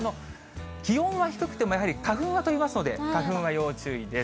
気温は低くてもやはり花粉は飛びますので、花粉は要注意です。